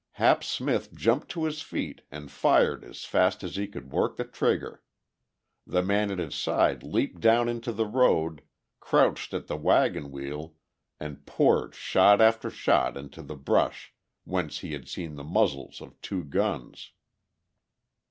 Hap Smith jumped to his feet and fired as fast as he could work the trigger; the man at his side leaped down into the road, crouched at the wagon wheel and poured shot after shot into the brush whence he had seen the muzzles of two guns.